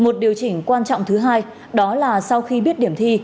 một điều chỉnh quan trọng thứ hai đó là sau khi biết điểm thi